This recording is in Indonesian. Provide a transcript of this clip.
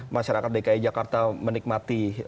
masyarakat dki jakarta menikmati